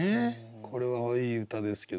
これはいい歌ですけど。